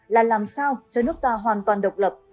là làm sao cho nước ta hoàn toàn độc lập